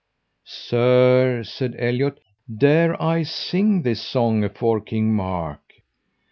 Sir, said Eliot, dare I sing this song afore King Mark?